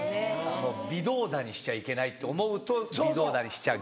微動だにしちゃいけないって思うと微動だにしちゃう。